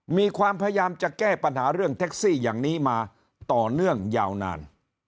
มีความพยายามจะแก้ปัญหาเรื่องแท็กซี่อย่างนี้มาต่อเนื่องยาวนาน